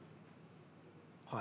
はい。